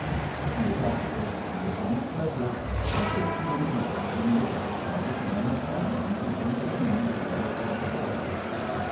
The ejaculation was one of pleasure, for pictured in the mirror Jingleberry saw the form of Marian entering the room through the portieres.